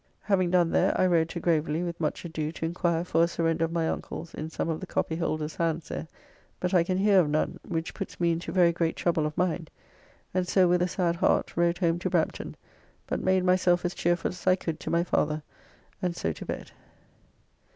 Having done there, I rode to Gravely with much ado to inquire for a surrender of my uncle's in some of the copyholders' hands there, but I can hear of none, which puts me into very great trouble of mind, and so with a sad heart rode home to Brampton, but made myself as cheerful as I could to my father, and so to bed.